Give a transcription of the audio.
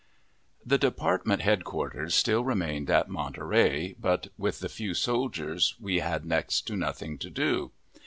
The department headquarters still remained at Monterey, but, with the few soldiers, we had next to nothing to do.